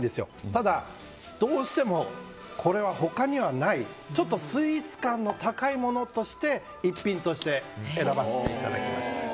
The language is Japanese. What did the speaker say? ただ、どうしても、これは他にはないスイーツ感が高いものとして逸品として選ばせていただきました。